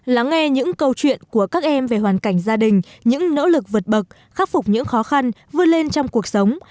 lắng nghe những câu chuyện của các em về hoàn cảnh gia đình những nỗ lực vượt bậc khắc phục những khó khăn vươn lên trong cuộc sống